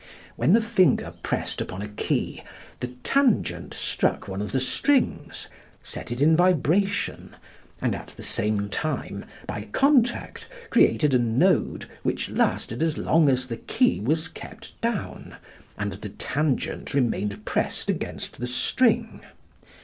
When the finger pressed upon a key the tangent struck one of the strings, set it in vibration, and at the same time, by contact, created a node which lasted as long as the key was kept down and the tangent remained pressed against the string.